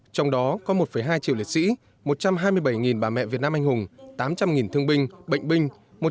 trong đó có một hai triệu liệt sĩ một trăm hai mươi bảy bà mẹ việt nam anh hùng tám trăm linh thương binh bệnh binh